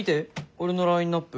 俺のラインナップ。